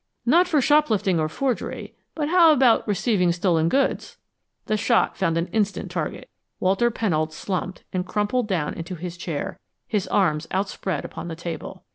"Not for shop lifting or forgery but how about receiving stolen goods?" The shot found an instant target. Walter Pennold slumped and crumpled down into his chair, his arms outspread upon the table.